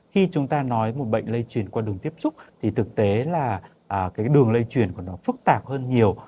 khi chúng ta nói một bệnh lây chuyển qua đường tiếp xúc thì thực tế là cái đường lây truyền của nó phức tạp hơn nhiều